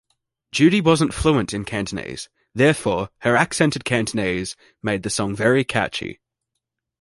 Judy wasn't fluent in Cantonese, therefore, her accented Cantonese made the song very catchy.